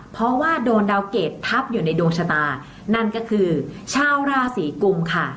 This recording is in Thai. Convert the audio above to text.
เพราะว่าโดนดาวเกรดทับอยู่ในดวงชะตานั่นก็คือชาวราศีกุมค่ะ